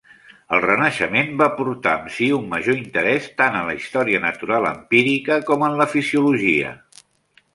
El Renaixement va portar amb si un major interès tant en la història natural empírica com en la fisiologia.